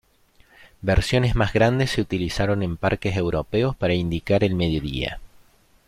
Versiones más grandes se utilizaron en parques europeos para indicar el mediodía.